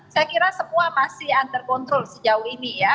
saya kira semua masih under control sejauh ini ya